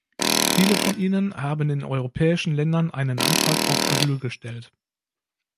Viele von ihnen haben in europäischen Ländern einen Antrag auf Asyl gestellt.